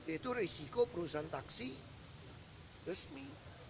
itu risiko perusahaan taksi resmi